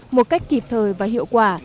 một cách kịp thời và hiệu quả